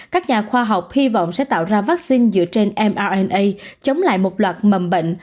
các nhà khoa học hy vọng sẽ tạo ra vaccine dựa trên mrna chống lại một loạt mầm bệnh